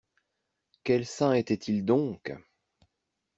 Quels saints étaient-ils donc?